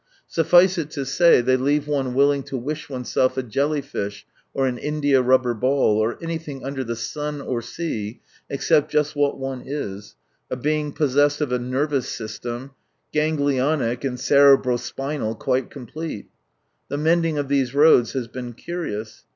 Suffice it to say, they leave one willing to wish oneself a jelly fish or an indiarubber ball or anything under the sun or sea, except just what one is, a being possessed of a nervous system, ganglionic, and cerebrospinal quite complete ! The mending of these roads has been curious.